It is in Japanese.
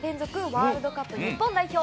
ワールドカップ日本代表